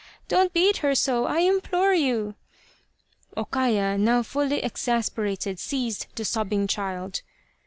Don't beat her so, I implore you !" O Kaya, now fully exasperated, seized the sobbing child.